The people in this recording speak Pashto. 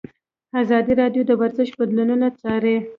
ازادي راډیو د ورزش بدلونونه څارلي.